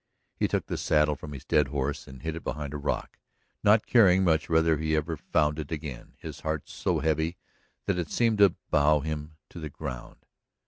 He took the saddle from his dead horse and hid it behind a rock, not caring much whether he ever found it again, his heart so heavy that it seemed to bow him to the ground.